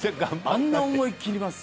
あんな思い切ります？